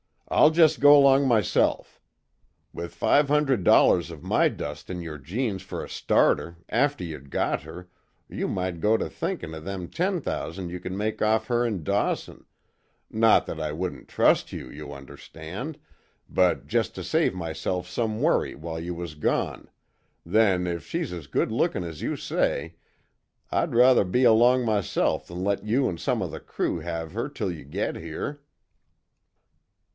"I'll jest go 'long myself. With five hundred dollars of my dust in yer jeans fer a starter after ye'd got her, ye might git to thinkin' o' them ten thousan' you could make off her in Dawson not that I wouldn't trust you, you understand, but jest to save myself some worry while you was gone, then, if she's as good lookin' as you say, I'd ruther be along myself than let you an' some of the crew have her till you get here."